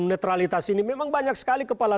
netralitas ini memang banyak sekali kepala